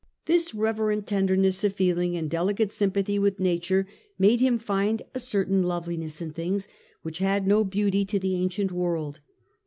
This reverent tenderness of feeling and delicate sympathy with Nature made him find a certain loveliness in things which had no beauty to the ancient .and deil world.